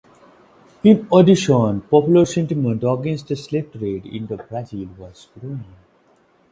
In addition, popular sentiment against the slave trade in Brazil was growing.